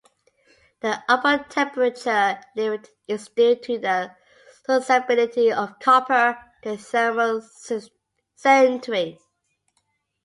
The upper temperature limit is due to the susceptibility of copper to thermal sintering.